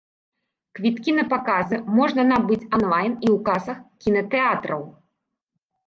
Квіткі на паказы можна набыць анлайн і ў касах кінатэатраў.